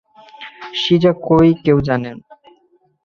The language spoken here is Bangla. শীজা কই কেউ জানো?